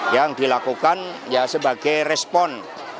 yang dilakukan ya sebagai respon